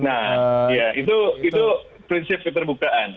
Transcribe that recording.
nah ya itu prinsip keterbukaan